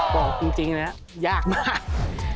บอกจริงเลยนะยากมาก